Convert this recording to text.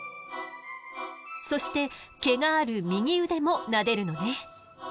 そして毛がある右腕もなでるのね。